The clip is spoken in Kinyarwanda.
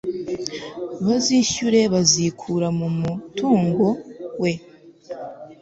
bazishyure bazikura mu mutungo we